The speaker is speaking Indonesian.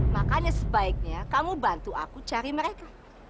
makanya sebaiknya kamu bantu aku cari mereka